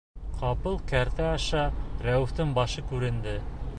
Ҡапыл кәртә аша Рәүефтең башы күренде.